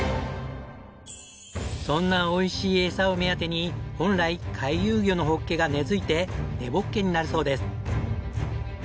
そんなおいしい餌を目当てに本来回遊魚のホッケが根付いて根ボッケになるそうです。